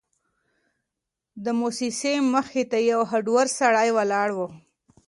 د موسسې مخې ته یو هډور سړی ولاړ و.